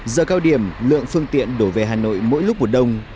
giờ cao điểm lượng phương tiện đổi về hà nội mỗi lúc một đồng